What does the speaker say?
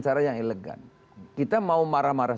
cara yang elegan kita mau marah marah